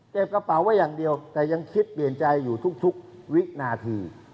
กระเป๋าไว้อย่างเดียวแต่ยังคิดเปลี่ยนใจอยู่ทุกวินาที